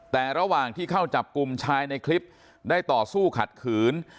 แต่ระหว่างที่เข้าจับกลุ่มชายในคลิปได้ต่อสู้ขัดขืน